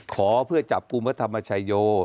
ขอเพื่อจับกลุ่มพระธรรมชายโย